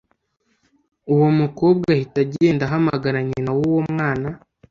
uwo mukobwa ahita agenda ahamagara nyina wuwo mwana